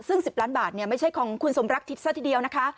ซึ่ง๑๐ล้านบาทเนี่ยไม่ใช่ของคุณสมรักษ์ที่สักทีเดียวนะคะ